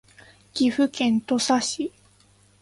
岐阜県土岐市